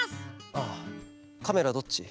ああカメラどっち？